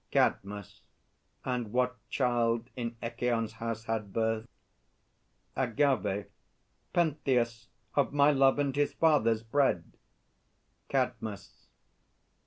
CADMUS. And what child in Echîon's house had birth? AGAVE. Pentheus, of my love and his father's bred. CADMUS.